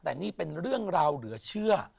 แต่นี่เป็นเรื่องราวเหลือเชื่อ